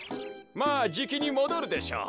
まあじきにもどるでしょう。